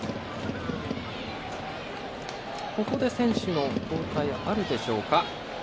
ここで選手の交代あるでしょうか。